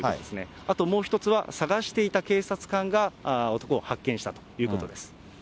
あともう１つは、捜していた警察官が、男を発見したということです。